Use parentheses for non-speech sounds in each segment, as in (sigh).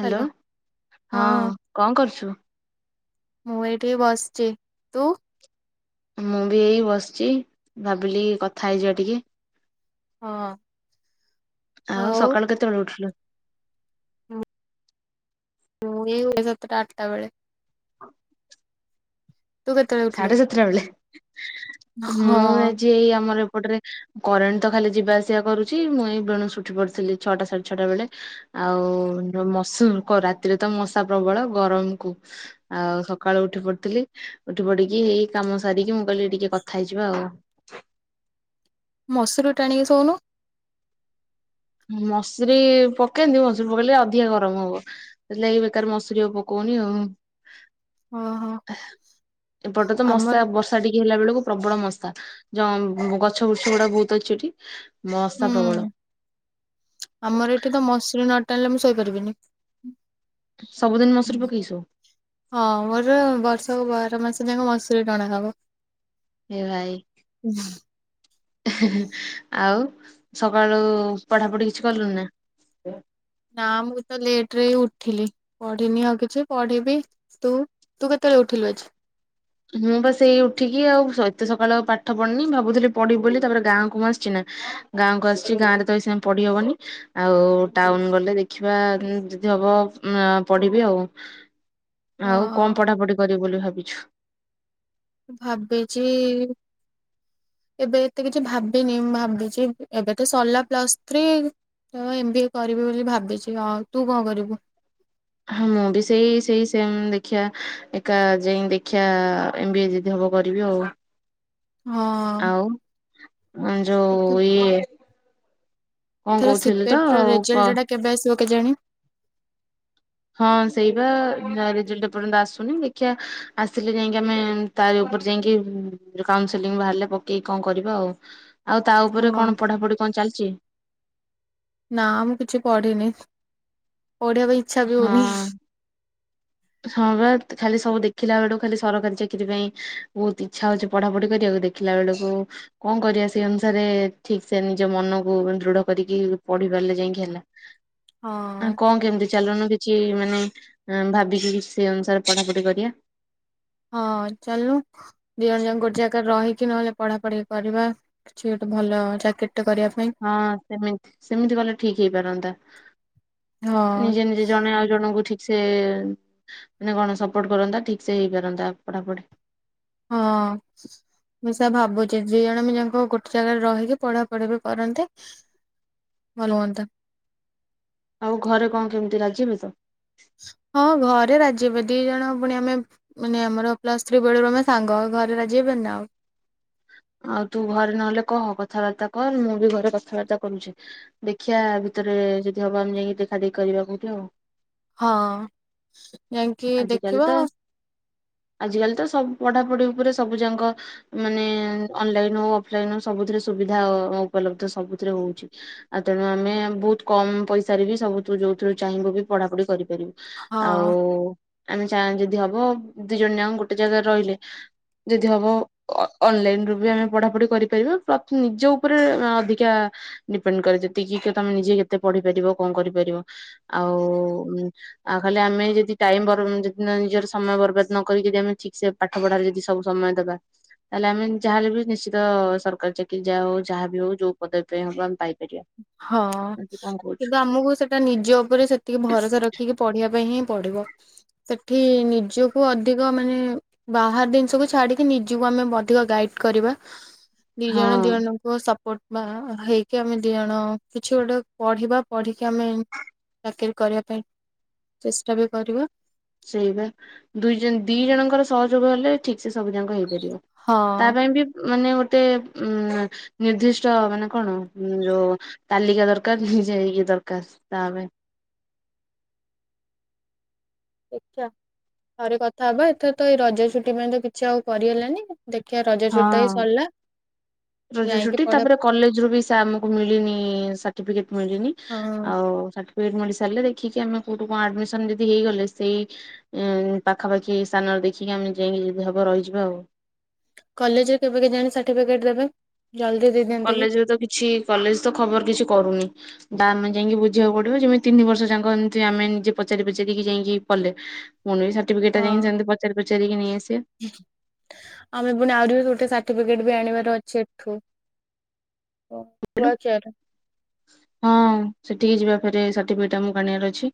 Hello hello ହଁ କଣ କରୁଚୁ? ମୁଁ ଏଇଠି ବସିଚି। ତୁ? ମୁଁ ବି ଏଇ ବସିଚି। ଭାବିଲି କଥା ହେଇଯିବା ଟିକେ। ହଁ। ଆଉ ସକାଳୁ କେତେବେେଳେ ଉଠିଲୁ? ହୁଁଁ। ହୁଁ ଏଇ ଗଲା ସାତଟା ଆଠଟା ବେଳେ। (inaudible) ତୁ କେତେବେଳେ ଉଠିଲୁ? ସାଢେ ସାତଟା ବେଳେ। ମୁଁ ହଁ ଆଜି ଏଇ ଆମର ଏପଟରେ କରେଣ୍ଟ ତ ଖାଲି ଯିବା ଆସିବା କରୁଚି, ମୁଁ ଏଇ ବେଳସୁ ଉଠି ପଡିଥିଲି ଛଟା ସାଢେ ଛଟା ବେଳେ। ଆଉ ଯୋଉ ମସୁଲ୍ କ ରାତିରେ ତ ମଶା ପ୍ରବଳ ଗରମ କୁ ଆଉ ସକାଳୁ ଉଠି ପଡିଥିଲି। ଉଠି ପଡିକି ହେଇ କାମ ସାରିକି ମୁଁ କହିଲି ଟିକେ କଥା ହେଇଯିବା ଆଉ। ମସୁରୀ ଟାଣିକି ଶୋଉନ। ମସୁରୀ ପକେଇଲେ ମସୁରୀ ପକେଇଲେ ଅଧିକା ଗରମ ହବ। ସେଥିଲାଗି ବେକାର ମସୁରୀ ଆଉ ପକଉନି ଆଉ। ଓହୋ ଏପଟ ତ ମସା ଆମର ବସ୍ ସା ଟିକେ ହେଲା ବେଳକୁ ପ୍ରବଳ ମଶା। ଯ ଗଛ ବୃଛ ଗୁଡା ବହୁତ ଅଛି ଏଠି। ମଶା ପ୍ରବଳ। ହୁଁ ଆମର ଏଠି ତ ମଶୁରୀ ନ ଟାଣିଲେ ମୁଁ ଶୋଇପାରିବିନି। ସବୁଦିନ ମସୁରୀ ପକେଇ ସୁଅ? ହଁ ମୋର ବର୍ଷକୁ ବାର ମାସ ଯାକ ମଶୁରୀ ଟଣା ହବ। ଏ ଭାଇ। ଆଉ ସକାଳୁ ପଢ଼ାପଢ଼ି କିଛି କଲୁ ନା? ନା ମୁଁ ତ ଲେଟ ରେ ହିଁ ଉଠିଲି। ପଢିନି ଆଉ କିଛି ପଢିବି। ତୁ ତୁ କେତେବେଳେ ଉଠିଲୁ ଆଜି? ମୁଁ ବା ସେଇ ଉଠିକି ଆଉ ଏତେ ସକାଳେ ଆଉ ପାଠ ପଢିନି। ଭାବୁଥିଲି ପଢିବ ବୋଲି ତାପରେ ଗାଁ କୁ ମୁଁ ଆସିଚ ନା। ଗାଁକୁ ଆସିଚି ଗାଁରେ ତ ଏ ସିନା ପଡି ହବନି। ଆଉ ଟାଉନ ଗଲେ ଦେଖିବା ଉଁ ଯଦି ହବ ଅ ପଢିବି ଆଉ। ଆଉ ହଁ କଣ ପଢାପଢି କରିବୁ ବୋଲି ଭାବିଚୁ? ଭାବିଚି ଏବେ ଏତେ କିଛି ଭାବିନି। ମୁଁ ଭାବିଚି ଏବେ ତ ସରିଲା ପ୍ଲସ ଥ୍ରୀ। ତ ଏମ ବି ଏ କରିବି ବୋଲି ଭାବିଚି। ଆଉ ତୁ କଣ କରିବୁ? ହଁ ମୁଁ ବି ସେଇ ସେଇ ସେମ ଦେଖିବା ଏକା ଯାଇ ଦେଖିବା ଏମ ବି ଏ ଯଦି ହବ କରିବି ଆଉ। ହଁ ଆଉ ଅ ଯୋଉ ଇଏ କଣ ଏଥର କହୁଥିଲି ସିପେଟ ତ ର ଆଉ କ ରେଜଲ୍ଟ ଟା କେବେ ଆସିବ କେଜାଣି? ହଁ ସେଇ ବା ରେଜଲଟ ଏ ପର୍ଯ୍ୟନ୍ତ ଆସୁନି ଦେଖିଆ ଆସିଲେ ଯାଇକି ଆମେ ତାରି ଉପରେ ଯାଇକି କାଉନସେଲିଂ ବାହାରିଲେ ପକେଇକି କଣ କରିବା ଆଉ। ଆଉ ତା ଉପରେ ହଁ କଣ ପଢାପଢି କଣ ଚାଲିଛି? ନା ମୁଁ କିଛି ପଢିନି ପଢିବା ପାଇଁ ଇଚ୍ଛା ବି ହଉନି ହଁ। ହଁ ବା ତ ଖାଲି ସବୁ ଦେଖିଲା ବେଳୁ ଖାଲି ସରକାରୀ ଚାକିରି ପାଇଁ ବହୁତ ଇଚ୍ଛା ହଉଛି ପଢାପଢି କରିବାକୁ ଦେ ଦେଖିଲା ବେଳକୁ କଣ କରିବା ସେଇ ଅନୁସାରେ ଠିକ ସେ ନିଜ ମନକୁ ଦୃଢ କରିକି ପଢି ପାରିଲେ ଯାଇକି ହେଲା। ଆ ହଁ କଣ କେମିତି ଚାଲନୁ କିଛି ମାନେ ଆଁ ଭାବିକି କିଛି ସେଇ ଅନୁସାରେ ପଢାପଢି କରିବା। ହଁ ଚାଲନୁ। ଦି ଜଣ ଯାଙ୍କ ଗୋଟେ ଜାଗାରେ ରହିକି ନହେଲେ ପଢା ପଢି କରିବା କିଛି ଗୋଟେ ଭଲ ଚାକିରି ଟେ କରିବା। ପାଇଁ ହଁ ସେମିତ୍ ସେମିତି କଲେ ଠିକ ହେଇପାରନ୍ତା। ହଁ ନିଜେ ନିଜେ ଜଣେ ଆଉ ଜଣଙ୍କୁ ଠିକ୍ ସେ ମାନେ କଣ ସପୋର୍ଟ କରନ୍ତା ଠିକ ସେ ହେଇପାରନ୍ତା ପଢାପଢି। ହଁ। ମୁଁ ସେଆ ଭାବୁଛି ଦି ଜଣ ଦି ଜଣଙ୍କ ଗୋଟେ ଜାଗାରେ ରହିକି ପଢାପଢି ବି କରନ୍ତେ। ଭଲ ହୁଅନ୍ତା। ଆଉ ଘରେ କଣ କେମିତି ରାଜି ହେବେ ତ? ହଁ ଘରେ ରାଜି ହେବେ ଦି ଜଣ ପୁଣି ଆମେ ମାନେ ଆମର ପ୍ଲସ୍ ଥ୍ରୀ ବେଳରୁ ଆମେ ସାଙ୍ଗ ଘରେ ରାଜି ହେବେନି ନା ଆଉ। ଆଉ ତୁ ଘରେ ନହେଲେ କହ କଥାବାର୍ତ୍ତା କର ମୁଁ ବି ଘରେ କଥାବାର୍ତ୍ତା କରୁଛି। ଦେଖିଆ ଭିତରେ ଯଦି ହବ ଆମେ ଯାଇକି ଦେଖାଦେଖି କରିବା କୋଉଠି ଆଉ। ହଁ ଯାଇଙ୍କି ଆଜିକାଲି ଦେଖିବ ତ ଆଜିକାଲି ତ ସବୁ ପଢାପଢି ଉପରେ ସବୁ ଯାଙ୍କ ମାନେ ଉଁ ଅନଲାଇନ ଓ ଅଫଲାଇନ ସବୁଥିରେ ସୁବିଧା ଓ ଉପଲବ୍ଧ ସବୁଥିରେ ହଉଛି। ଆଉ ତେଣୁ ଆମେ ବହୁତ କମ ପଇସାରେ ବି ସବୁୁଠୁ ଯୋଉଥିରୁ ଚାହିଁବୁ ବି ପଢାପଢି କରିପାରିବୁ। ହଁ ଆଉ ଆମେ ଚା ଯଦି ହବ ଦି ଜଣ ଯାକ ଗୋଟେ ଜାଗାରେ ରହିଲେ ଯଦି ହବ ଅ ଅନଲାଇନ ବି ବି ଆମେ ପଢାପଢି କରିପାରିବା ପ୍ରତି ନିଜ ଉପରେ ଅଧିକା ଡିପେଣ୍ଡ କରେ ଯେତିକି କେ ତମେ ନିଜେ କେତେ ପଢିପାରିବ କଣ କରିପାରିବ ଆଉ ଆଉ ଖାଲି ଆମେ ଯଦି ଟାଇମ ବରଂ ଜିତନ ନିଜର ସମୟ ବର୍ବାଦ ନକରିକି ଯେମିତି ଠିକ ସେ ପାଠ ପଢାରେ ଯଦି ସବୁ ସମୟ ଦବା ତାହେଲେ ଆମେ ଯାହାେଲେ ବି ନିଶ୍ଚିତ ସରକାରୀ ଚାକିରି ଯାହା ହଉ ଯାହା ବି ହଉ ଯୋଉ ପଟେ ବି ହବ ଆମେ ପାଇପାରିବା। ହଁ ତୁ କଣ କହୁଛୁ କିନ୍ତୁ ଆମକୁ ସେ ତା ନିଜ ଉପରେ ସେତିକି ଭରସା ରଖିକି ପଢିବା ପାଇଁ ହିଁ ପଢିବ। ସେଠି ନିଜକୁ ଅଧିକ ମାନେ ବାହାର ଜିନିଷକୁୁ ଛାଡିକି ନିଜକୁ ଆମେ ଅଧିକ ଗାଇଡ କରିବା। ଦି ହଁ ଜଣ ଦି ଜଣଙ୍କୁ ସପୋର୍ଟ ବା ହେଇକି ଆମେ ଦି ଜଣ ଣ କିଛି ଗୋଟେ ପଢିବା ପଢିକି ଆମେ ଚାକିରୀ କରିବା ପାଇଁ ଚେଷ୍ଟା ବି କରିବା। ସେଇବା ଦୁଇ ଦି ଜଣଙ୍କର ସହଯୋଗ ହେଲେ ଠିକ ସେ ସବୁ ଜାକ ହେଇପାରିବ। ହଁ ତା ପାଇଁ ବି (inaudible) ମାନେ ଗୋଟେ ହୁଁ ନିର୍ଦ୍ଦିଷ୍ଟ ମାନେ କଣ ଯୋଉ? ତାଲିକା ଦରକାର ନିଜେ ହେଇକି ଦରକାର ତା ପାଇଁ। ଦେଖିଆ, ଥରେ କଥା ହବା ଏଥର ତ ଏଇ ରଜ ଛୁଟି ପାଇଁ ତ କିଛି ଆଉ କରିହେଲାନି ଆଉ। ଦେଖିିବା ରଜ ଛୁଟି ଟ ହେଇ ହଁ। ସରିଲା। ରଜ ଯାଇକି ଛୁଟି ପଢା ତାପରେ କଲେଜ ରୁ ବି ସେ ଆମକୁ ମିଳିନି ସାର୍ଟିଫିକେଟ ମିଳିନି। ହଁ ଆଉ ସାର୍ଟିଫିକେଟ ମିଲି ସରିଲେ ଦେଖିକି ଆମେ କୋଉଠୁ କଣ ଆଡମିଶନ ଯଦି ହେଇଗଲେ ସେଇ? ପାଖାପାଖି ସ୍ଥାନରେ ଦେଖିକି ଆମେ ନିଜେ ଯଦି ହବ ରହିଯିବା ଆଉ। କଲେଜରେ କେବେ କେଜାଣି ସାର୍ଟିଫିକେଟ୍ ଦେବେ? ଜଲଦି ଦେଇ ଦିଅନ୍ତେ। କଲେଜରେ ତ କିଛି କଲେଜ ତ ଖବର କିଛି କରୁନି। ବା ଆମେ ଯାଇକି ବୁଝିବାକୁ ପଡିବ ଯେମିତି ତିନି ବର୍ଷ ଯାକ ଏମିତି ଆମେ ନିଜେ ପଚାରି ପଚାରିକି ଯାଇକି କଲେ। ମୋନି ବି ସାର୍ଟିଫିକେଟ ଟା ହଁ ଯାଇକି ସେମତି ପଚାରି ପଚାରିକି ନେଇଆସିବା। ଆମେ ପୁଣି ଆହୁରି ବି ଗୋଟେ ସାର୍ଟିଫିକେଟ୍ ବି ଆଣିବାର ଅଛି ଏଠୁ। ଓ କହିଲୁ କୁଆ ଚାର। ହଁ, ସେଠିକି ଯିବା ପରେ ସାର୍ଟିଫିକେଟ୍ ଆମକୁ ଆଣିବାର ଅଛି।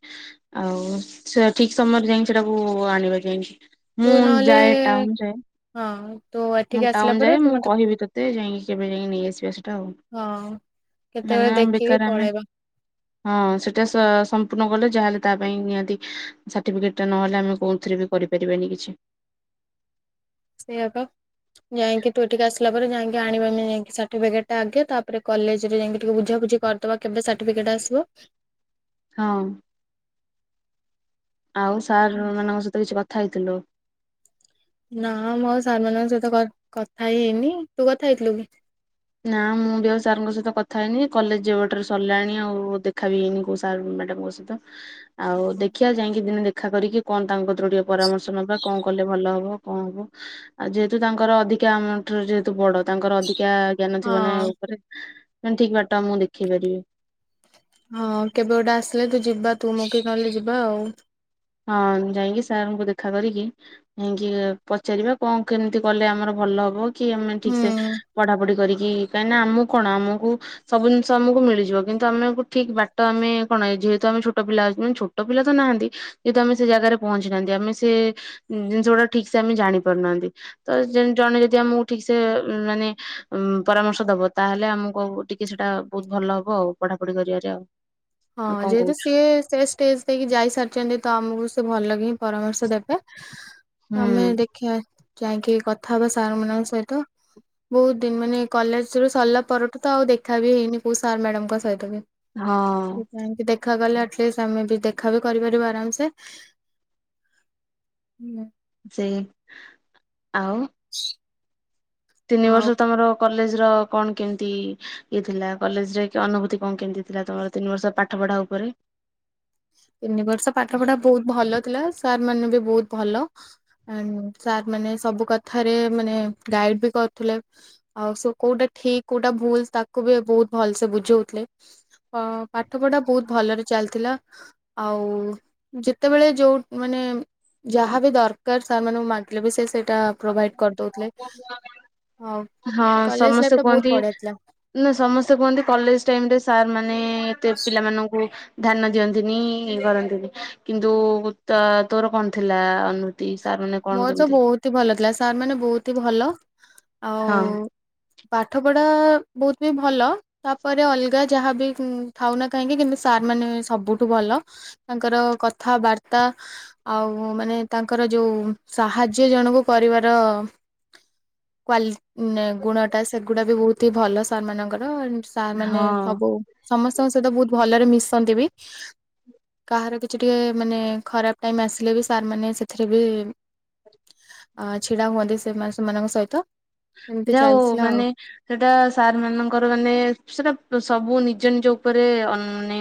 ଆଉ ସେ ଠିକ୍ ସମୟରେ ଯାଇକି ସେଟାକୁ ଆଣିବା ଯାଇକି। ମୁଁ ତୁ ନହେଲେ ଯାଏ ଟାଉନ ଯାଏ। (inaudible) ମୁଁ ଟାଉନ ଯାଏ ପରେ ତୁ ମୁଁ ମତେ କହିବି ତୋତେ ଯାଇକି କେବେ ଯାଇକି ନେଇଆସିବା ସେଇଟା ଆଉ। ହଁ କେତେବେଳେ କାହିଁକିନା ଦେଖିକି ବେକାର ଆମେ ପଳେଇବା। ହଁ ସେଟା ସମ୍ପୂର୍ଣ୍ଣ କଲେ ଯାହାହେଲେ ତା ପାଇଁ ନିହାତି ସାର୍ଟିଫିକେଟ ଟା ନହେଲେ ଆମେ କଉଥିରେ ବି କରିପାରିବନି କିଛି। ସେଇଆ ପା ଯାଇକି ତୁ ଟିକେ ଆସିଲା ପରେ। ପରେ ଯାଇକି ଆଣିବା ଯାଇିକିସାର୍ଟିଫିକଟା ଆଗେ, ତାପରେ କଲେଜରେ ଯାଇକିି ଟିକେ ବୁଝାବୁଝି କରିଦବା। ତମ କେବେ ସାର୍ଟିଫିକେଟ ଆସିବ? ହଁ। ଆଉ ସାରମାନଙ୍କ ସହିତ କିଛି କଥା ହେଇଥିଲୁ। ନାଁ, ମୁଁ ଆଉ ସାର ମାନଙ୍କସହିତ କଥା ହେଇ ହେଇନି ତୁ କଥା ହେଇଥିଲୁ କି? ନା ମୁଁ ବି ଆଉ ସାରଙ୍କ ସହିତ କଥା ହେଇନି କଲେଜ ଯେବେଠରୁ ସରିଲାଣି ଆଉ ଦେଖା ବିି ହେଇନି କୋଉ ସାର୍ ମ୍ୟାଡ଼ାମଙ୍କ ସହିତ। ଆଉ ଦେଖିଆ ଯାଇକି ଦିନେ ଦେଖା କରିକି- କଣ ତାଙ୍କ କତୁରୁ ଟିକେ ପରାମର୍ଶ ନବା କଣ କଲେ ଭଲ ହବ କଣ ହବ? ଆଉ ଯେହେତୁ ତାଙ୍କର ଅଧିକା ଆମଠୁ ଯେହେତୁ ବଡ ତାଙ୍କର ଅଧିକା ଜ୍ଞାନ ଥିବ ନା ହଁ ଉପରେ ତାନେ ଠିକ୍ ବାଟ ଆମକୁ ଦେଖେଇ ପାରିବେ। ହଁ କେବେ ଗୋଟେ ଆସିଲେ ତୁ ଯିବା ତୁ ମୁଁ କି ନ ହେଲେ ଯିବା ଆଉ। ହଁ, ଯାଇକି ସାରଙ୍କୁ ଦେଖା କରିକି ଯାଇଁକି ପଚାରିବା କଣ କେମିତି କଲେ ଆମର ଭଲ ହବ? କି ଆମେ ଠିକ୍ ହୁଁ। ସେ ପଢାପଢି କରିକି କାହିଁକିନା ଆମକୁ କଣ ଆମକୁ? ସବୁ ଜିନିଷ ଆମକୁ ମିଳିଯିବ କିନ୍ତୁ ଆମକୁ ଠିକ୍ ବାଟ ଆମେ କଣ ଯେହେତୁ ଆମେ ଛୋଟ ପିଲା ଅଛୁ। ଛୋଟ ପିଲା ତ ନାହାନ୍ତି ଯେହେତୁ ଆମେ ସେ ଜାଗାରେ ପହଞ୍ଚି ନାହାନ୍ତି ଆମେ ସେ ଜିନିଷ ଗୁଡା ଠିକ୍ ସେ ଆମେ ଜାଣିପାରୁନାହାନ୍ତି ତ ଜଣେ ଯଦି ଆମକୁ ଠିକ୍ ସେ ମାନେ ପରାମର୍ଶ ଦବ ତାହେଲେ ଆମକୁ ଟିକେ ସେଇଟା ବହୁତ୍‌ ଭଲ ହବ ଆଉ ପଢାପଢି କରିବାରେ ଆଉ। ହଁ କଣ ଯେହେତୁ କହୁଛୁ ସିଏ ସେ ଷ୍ଟେଟ ଦେଇକି ଯାଇ ସାରିଛନ୍ତି ତ ଆମକୁ ସେ ଭଲ କି ହିଁ ପରାମର୍ଶ ଦେବେ। ହୁଁ ତମେ ଦେଖିବା ଯାଇକି କଥା ହବା ସାର୍ ମାନଙ୍କ ସହିତ। ବିହୁତ ଦିନ ମାନେ କଲେଜ ରୁ ସରିଲା ପରଠୁ ତ ଆଉ ଦେଖା ବି ହେଇନି କୋଉ ସାର୍ ମ୍ୟାଡାମଙ୍କ ସହିତ ବି। ହଁ। ଯାଇଁକି ଦେଖା କଲେ ଆଟଲିଷ୍ଟ ଆମେ ବି ଦେଖା ବି କରିପାରିବୁ ଆରାମସେ। ହୁଁ। ସେଇ ଆଉ ି ତିନି ବର୍ଷ ତମର କଲେଜ ର କଣ କେମିତି? ଇଏ ଥିଲା କଲେଜ ରେ ଅନୁଭୂତି କଣ କେମିତି ଥିଲା ତମର ତିନି ବର୍ଷ ପାଠ ପଢା ଉପରେ? ତିନି ବର୍ଷ ପାଠ ପଢା ବୋହୁତ ଭଲ ଥିଲା ସାର୍ ମାନେ ବି ବୋହୁତ ଭଲ। ଆଣ୍ଡ ସାର୍ ମାନେ ସବୁ କଥାରେ ମାନେ ଗାଇଡ଼ ବି କରୁଥିଲେ ଆଉ ସବୁ କୋଉଟା ଠିକ୍ କୋଉଟା ଭୁଲ ତାକୁ ବି ବୋହୁତ୍‌ ଭଲସେ ବୁଝଉଥିଲେ। ଅ ପାଠ ପଢା ବୋହୁତ୍ ଭଲରେ ଚାଲିଥିଲା। ଆଉ ଯେତେବେଳେ ଯୋଉ ମାନେ ଯାହା ବିି ଦରକାର ସାର ମାନଙ୍କୁ ମାଗିଲେ ବି ସେ ସେ ଟା ପ୍ରୋଭାଇଡ କରିଦୋଉଥିଲେ ଆଉ। ହଁ କଲେଜ ଲାଇଫ ସମସ୍ତେ ଟା ବହୁତ କୁହନ୍ତି ବଢିଆ ଥିଲା। ନା ସମସ୍ତେ କୁହନ୍ତି କଲେଜ ଟାଇମ ରେ ସାର୍ ମାନେ ଏତେ ପିଲାମାନଙ୍କୁ ଧାନ ଦିଅନ୍ତିନି ଇଏ କରନ୍ତିନି କିନ୍ତୁ ତ ତୋର କଣ ଥିଲା ଅନଭୂତି? ତି ସାର୍ ମାନେ କଣ ମୋର ତ କେମିତି? ବୋହୁତ ହି ଭଲ ଥିଲା ସାର୍ ମାନେ ବୋହୁତ ହି ଭଲ। ହଁ। ଆଉ ପାଠ ପଢା ବୋହୁତ ବି ଭଲ। ତାପରେ ଅଲଗା ଯାହାବି ଥାଉନା କାହିଁକି କିନ୍ତୁ ସାର୍ ମାନେ ସବୁଠୁ ଭଲ। ତାଙ୍କର କଥାବାର୍ତ୍ତା ଆଉ ମାନେ ତାଙ୍କର ଯୋଉ ସାହାଯ୍ୟ ଜଣକୁ କରିବାର କ୍ୱାଲି ଗୁଣଟା ସେଗୁଡ଼ା ବି ବୋହୁତ ହିଁ ଭଲ ସାରମାନଙ୍କର। ସାର୍ ମାନେ ହଁ। ସବୁ ସମସ୍ତଙ୍କ ସହିତ ବୋହୁତ ଭଲରେ ମିଶନ୍ତି ବି। କାହାର କିଛି ଟିକେ ମାନେ ଖରାପ ଟାଇମ୍ ଆସିଲେ ବି ସାର୍ମାନେେ ସେଥିରେ ବି ଅ ଛିଡା ହୁଅନ୍ତି ସେମାନେ ସେମାନଙ୍କ ସହିତ। ଏମିତି ଯାଉ ହୋଉ ଚାଲିଥିଲା ମାନେ ସେଟା ସାର୍ ମାନଙ୍କର ମାନେ ସେଟା ସବୁ ନିଜ ନିଜ ଉପରେ ଅନ ମାନେ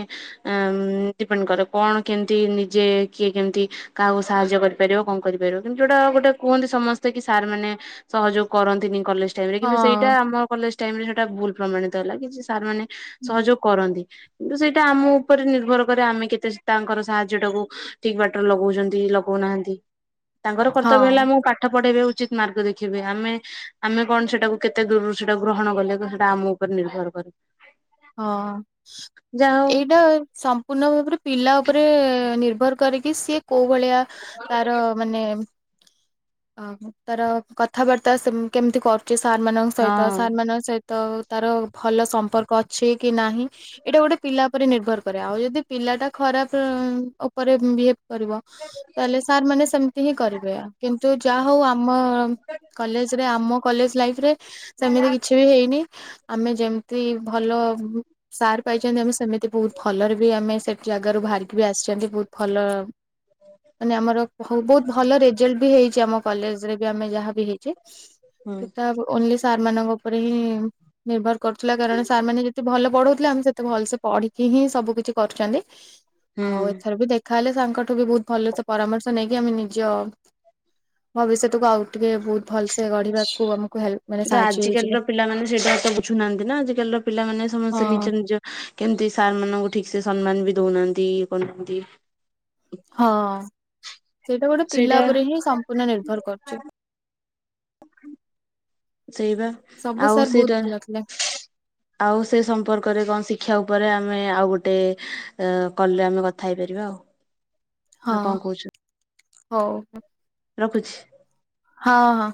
ଆଁ ଡିପେଣ୍ଡ କରେ କଣ କେମିତି ନିଜେ କିଏ କେମିତି? କାହାକୁ ସାହାଯ୍ୟ କରିପାରିବ କଣ କରିପାରିବ କିନ୍ତୁ ଯୋଉଟା ଗୋଟେ କୁହନ୍ତି ସମସ୍ତେ କି ସାର୍ ମାନେ ସହଯୋଗ। କରନ୍ତିନି କଲେଜ ଟାଇମ ରେ କିନ୍ତୁ ସେଇଟା ଆଉ ଆମ କଲେଜ ଟାଇମ ରେ ସେଇଟା ଭୁଲ ପ୍ରମାଣିତ ହେଲା କି ସାର୍ ମାନେ ହଁ ସହଯୋଗ କରନ୍ତି କିନ୍ତୁ ସେଇଟା ଆମ ଉପରେ ନିର୍ଭର କରେ ଆମେ କେତେ ତାଙ୍କର ସାହାଯ୍ୟ ଟାକୁ ଠିକ୍ ବାଟରେ ଲଗଉଚନ୍ତି ଲଗଉନାହାନ୍ତି। ତାଙ୍କର ହଁ କର୍ତ୍ତବ୍ୟ ହେଲା ମୁଁ ପାଠ ପଢେଇବେ ଉଚିତ ମାର୍ଗ ଦେଖିବେ ଆମେ ଆମେ କଣ ସେଟାକୁ କେତେ ଦୂରରୁ ସେଟା ଗ୍ରହଣ କଲେ ସେଟା ଆମ ଉପରେ ନିର୍ଭର କରେ। ହଁ ଯାହା ଏଇଟା ସମ୍ ପୂର୍ଣ୍ଣ ଭାବରେ ପିଲା ଉପରେ ନିର୍ଭର କରିକି ସିଏ କୋଉ ଭଳିଆ ତାର ମାନେ ଆହୋ ତାର କଥାବାର୍ତ୍ତା ସେ କେମିତି କରୁଛି ସାର୍ ମାନଙ୍କ ସହିତ ହଉ ସାର୍ ମଙ୍କ ସହିତ ତ ତାର ଭଲ ସମ୍ପର୍କ ଅଛି କି ନାହିଁ ଏଇଟା ଗୋଟେ ପିଲା ଉପରେ ନିର୍ଭର କରେ ଆଉ ଯଦି ପିଲା ଟା ଖରାପ ଉପରେ ବିହେବ କରିବ ତାହେଲେ ସାର୍ ମାନେ ସେମିତି ହିଁ କରିବେ କିନ୍। ଯାହା ହଉ ଆମ କଲେଜରେ ଆମ କଲେଜ ଲାଇଫ୍ ରେ ସେମତି କିଛି ବି ହେଇନି। ନି ଆମେ ଯେମିତି ଭଲ ସାର ପାଇଛନ୍ତି ଆମେ ସେମିତି ବହୁତ ଭଲରେ ବି ଆମେ ସେଠି ଜାଗାରୁ ବାହାରିକି ବି ଆସିଛନ୍ତି ବହୁତ ଭଲ। ମାନେ ଆମର ବହୁତ ଭଲ ରେଜଲ୍ଟ ବି ହେଇଛି। ଆମ କଲେଜରେ ବି ଆମେ ଯାହା ବି ହେଇଛେ ହଁ ତା ଅନ୍ଲି ସାର୍ ମାନଙ୍କ ଉପରେ ହିଁ ନିର୍ଭର କରୁଥିଲା କାରଣ ସାର୍ ମାନେ ଯେତେ ଭଲ ପଢଉଥିଲେ ଆମେ ସେତେ ଭଲସେ ପଢିକି ହିଁ ସବୁ କିିଛି କରୁଛନ୍ତି ହୁଁ। ଆଉ ଏଥର ବି ଦେଖା ତାହେଲେ ସାରଙ୍କଠୁ ବି ବହୁତ ଭଲ ସେ ପରାମର୍ଶ ନେଇକି ଆମେ ନିଜ ଭବିଷ୍ୟତକୁ ଆଉ ଟିକେ ବହୁତ ଭଲସେ ଗଢିବାକୁ ଆମକୁ ହେଲ୍ପ ମାନେ ତ ସାହାଯ୍ୟ ହେଇଯିବ। ଆଜିକାଲିର ପିଲାମାନେ ସେଇଟା ତ ବୁଝୁନାହାନ୍ତି ନା ଆଜିିକାଲର ପିଲାମାନେ ସମସ୍ତେ ହଁ ନିଜ ନିଜ କେମିତି ସାର୍ ମାନଙ୍କୁ ଠିକ ସେ ସମ୍ମାନ ବି ଦଉନାହାନ୍ତି ଇଏ କରୁନାହାନ୍ତି। ହଁ। ସେଇଟା ଗୋଟେ ପିଲା ସେଇଟା ଉପରେ ହିଁ ସମ୍ପୂର୍ଣ୍ଣ ନିର୍ଭର କରୁଛି। ସେଇବା ସବୁ ଆଉ ସାର୍ ବହୁତ ସେଇଟା। ଭଲ ଥିଲେ ଆଉ ସେ ସମ୍ପର୍କରେ କଣ ଶିକ୍ଷା ଉପରେ ଆମେ ଆଉ ଗୋଟେ କଲରେ ଆମେ କଥା ହେଇପାରିବା ଆଉ। (inaudible) ହଁ କହୁଛୁ ହଉ। ରଖୁଛି। ହଁ ହଁ।